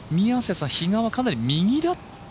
比嘉はかなり右だった？